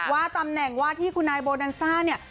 ว่าตำแหน่งว่าที่คุณนายโบนันซ่าเนี่ย